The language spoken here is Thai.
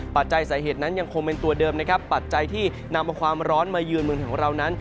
ปัจจัยสาเหตุนั้นยังคงเป็นตัวเดิมนะครับปัจจัยที่นำเอาความร้อนมายืนเมืองของเรานั้น